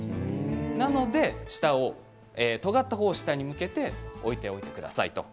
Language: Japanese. なのでとがった方を下に向けて置いておいてください。